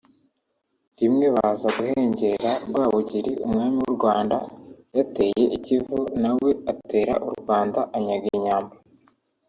rimwe baza guhengera Rwabugili Umwami w’u Rwanda yateye i Kivu nawe atera u Rwanda anyaga Inyambo